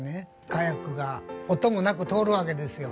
カヤックが音もなく通るわけですよ。